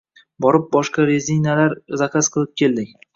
Borib boshqa rezinalar zakaz qilib keldik